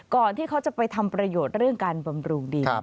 ที่เขาจะไปทำประโยชน์เรื่องการบำรุงดิน